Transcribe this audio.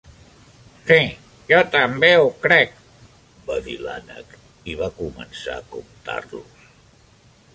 "Sí, jo també ho crec", va dir l"ànec i va començar a comptar-los.